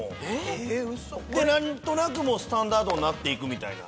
えウソ⁉何となくスタンダードになって行くみたいな。